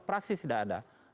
pasti tidak ada